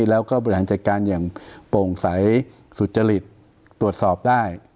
แล้วก็บริหารจัดการอย่างโปร่งใสสุจริตตรวจสอบได้